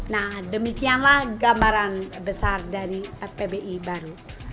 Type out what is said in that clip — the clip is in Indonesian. nah demikianlah gambaran besar dari pbi baru